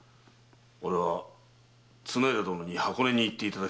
俺は綱條殿に箱根に行っていただきたいのだ。